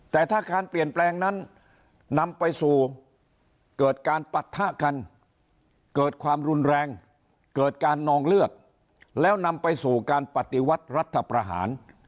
แต่ถ้าการเปลี่ยนแปลงนั้นนำไปสู่เกิดการปะทะกันเกิดความรุนแรงเกิดการนองเลือดแล้วนำไปสู่การปฏิวัติรัฐประหาร